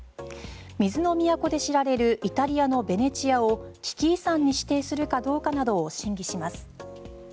水の都で知られるイタリアのベネチアを危機遺産に指定するかどうかなどを審議します。